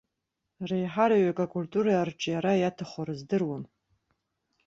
Реиҳараҩык акультура арҿиара иаҭаху рыздыруам.